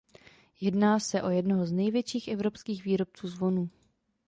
Jedná se o jednoho z největších evropských výrobců zvonů.